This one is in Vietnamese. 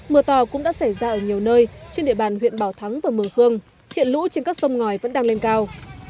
mưa to cũng đã xảy ra ở nhiều nơi trên địa bàn huyện bảo thắng và mường khương hiện lũ trên các sông ngòi vẫn đang lên cao